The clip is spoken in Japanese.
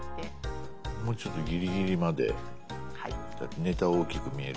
もうちょっとギリギリまでネタを大きく見えるように。